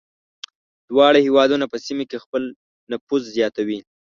دواړه هېوادونه په سیمه کې خپل نفوذ زیاتوي.